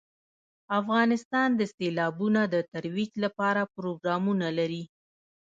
افغانستان د سیلابونه د ترویج لپاره پروګرامونه لري.